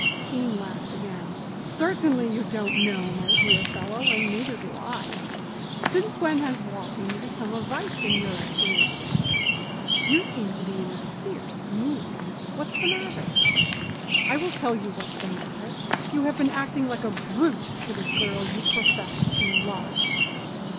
Keene laughed again. "Certainly you don't know, my dear fellow; and neither do I. Since when has walking become a vice in your estimation? You seem to be in a fierce mood. What's the matter?" "I will tell you what's the matter. You have been acting like a brute to the girl you profess to love."